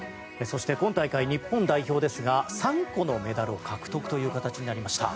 今大会、日本代表ですが３個のメダルを獲得となりました。